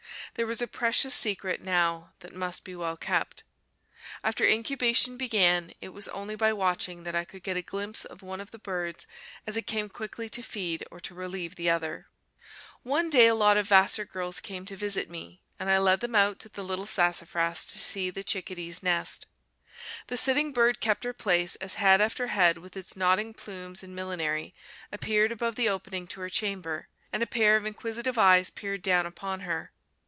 There was a precious secret now that must be well kept. After incubation began, it was only by watching that I could get a glimpse of one of the birds as it came quickly to feed or to relieve the other. One day a lot of Vassar girls came to visit me, and I led them out to the little sassafras to see the chickadee's nest. The sitting bird kept her place as head after head, with its nodding plumes and millinery, appeared above the opening to her chamber, and a pair of inquisitive eyes peered down upon her.